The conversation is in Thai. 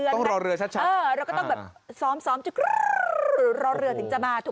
อ๋อต้องรอเรือชัด